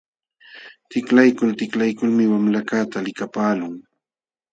Tiklaykul tiklaykulmi wamlakaqta likapaqlun.